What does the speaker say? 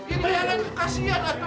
ini adalah kekasian pak